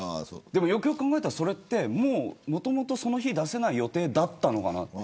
でも、よくよく考えたらそれってもともと、その日出せない予定だったのかなと。